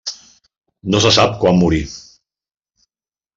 No se sap quan morí.